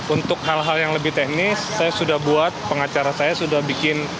untuk hal hal yang lebih teknis saya sudah buat pengacara saya sudah bikin